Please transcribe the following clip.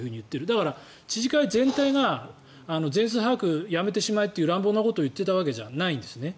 だから、知事会全体が全数把握、やめてしまえっていう乱暴なことを言っていたわけではないんですね。